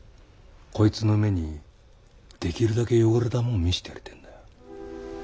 こいつの目にできるだけ汚れたもん見してやりてえんだ。